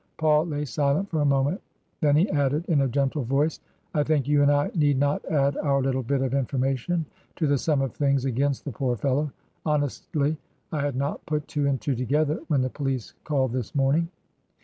Paul lay silent for a moment Then he added, in a gentle voice, I think you and I need not add our little bit of informa tion to the sum of things against the poor fellow. Hon estly, I had not put two and two together when the police called this morning.